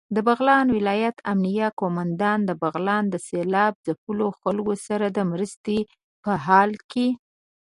دبغلان ولايت امنيه قوماندان دبغلان د سېلاب ځپلو خلکو سره دمرستې په حال کې